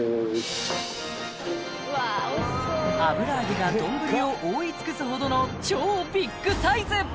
油揚げが丼を覆い尽くすほどの超ビッグサイズ！